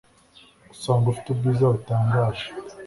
usanga ufite ubwiza butangaje